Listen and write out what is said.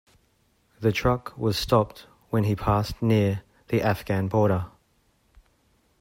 The truck was stopped when he passed near the Afghan border.